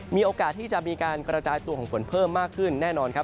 มีโอกาสที่จะมีการกระจายตัวของฝนเพิ่มมากขึ้นแน่นอนครับ